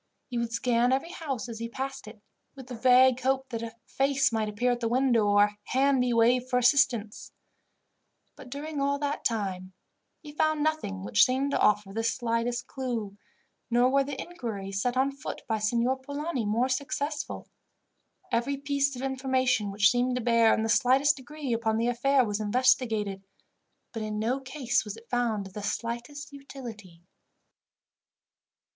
He would scan every house as he passed it, with the vague hope that a face might appear at the window, or a hand be waved for assistance. But, during all that time, he had found nothing which seemed to offer the slightest clue, nor were the inquiries set on foot by Signor Polani more successful. Every piece of information which seemed to bear, in the slightest degree, upon the affair was investigated, but in no case was it found of the slightest utility.